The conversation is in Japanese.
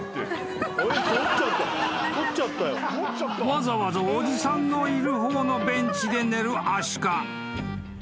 ［わざわざおじさんのいる方のベンチで寝るアシカ］